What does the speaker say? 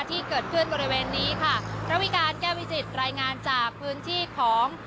ที่เกิดขึ้นบริเวณนี้ค่ะระวิการแก้วิจิตรายงานจากพื้นที่ของ